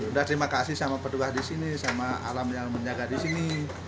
udah terima kasih sama petugas disini sama alam yang menjaga disini